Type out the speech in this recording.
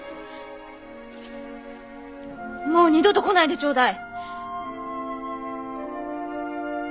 もう二度と来ないでちょうだい！